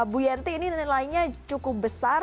bu yanti ini nilainya cukup besar